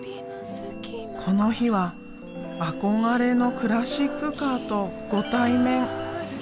この日は憧れのクラシックカーとご対面。